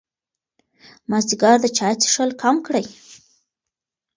مازدیګر د چای څښل کم کړئ.